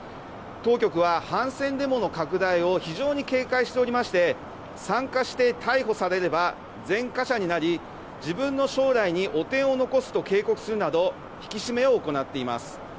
当局は反戦デモの拡大を非常に警戒しておりまして参加して逮捕されれば前科者になり自分の将来に汚点を残すと警告するなど引き締めを行っています。